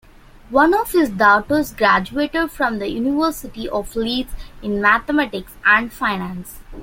One of his daughters graduated from the University of Leeds in Mathematics and Finance.